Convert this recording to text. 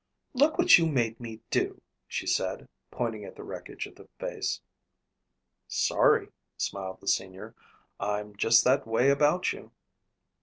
"Look what you made me do," she said, pointing at the wreckage of the vase. "Sorry," smiled the senior. "I'm just that way about you."